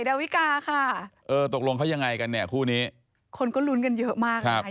ดาวิกาค่ะเออตกลงเขายังไงกันเนี่ยคู่นี้คนก็ลุ้นกันเยอะมากไง